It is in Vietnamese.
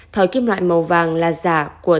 thỏi kim loại màu vàng là giả của